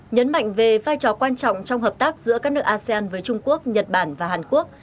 nhấn mạnh về vai trò quan trọng trong hợp tác giữa các nước asean với trung quốc nhật bản và hàn quốc